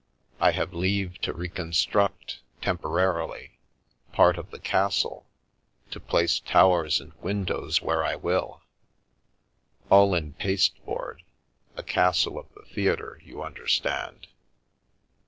I have leave to reconstruct, temporarily, part of the castle, to place towers and win dows where I will! All in pasteboard, a castle of the theatre, you understand.